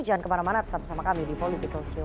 jangan kemana mana tetap bersama kami di political show